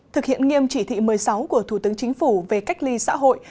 thực hiện nghiêm chỉ thị một mươi sáu của thủ tướng chính phủ về cách ly xã hội